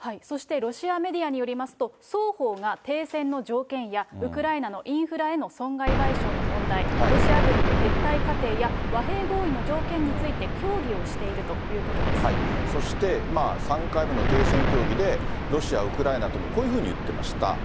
そして、ロシアメディアによりますと、双方が停戦の条件や、ウクライナのインフラへの損害賠償の問題、ロシア軍の撤退過程や和平合意の条件について協議をしているといそして、３回目の停戦協議で、ロシア、ウクライナともこういうふうに言ってました。